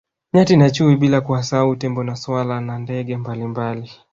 Nyati na chui bila kuwasahau tembo na swala na ndege mbalimbali